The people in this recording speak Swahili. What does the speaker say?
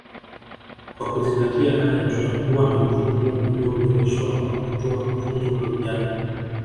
Kwa kuzingatia haya tutakuwa na mfumo ulioboreshwa wa kutoa mafunzo kwa vijana